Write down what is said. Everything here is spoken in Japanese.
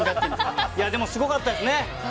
でもすごかったですね。